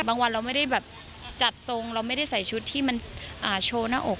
วันเราไม่ได้แบบจัดทรงเราไม่ได้ใส่ชุดที่มันโชว์หน้าอก